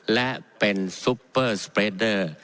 และเป็นซุปเปอร์สเปรดเดอร์